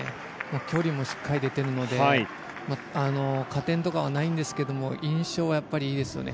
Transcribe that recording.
距離もしっかり出ているので加点とかはないんですが印象はやっぱりいいですよね。